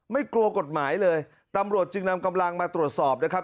กลัวกฎหมายเลยตำรวจจึงนำกำลังมาตรวจสอบนะครับ